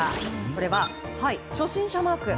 それは初心者マーク。